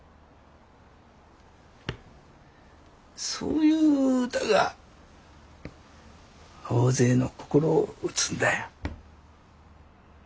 そういう歌が大勢の心を打つんだよ。